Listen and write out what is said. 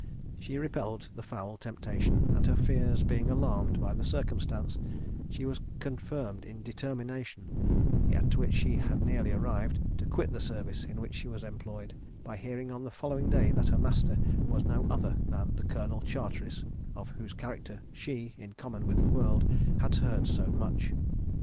She repelled the foul temptation, and her fears being alarmed by the circumstance, she was confirmed in a determination, at which she had nearly arrived, to quit the service in which she was employed, by hearing on the following day that her master was no other than the Colonel Charteris of whose character she, in common with the world, had heard so much.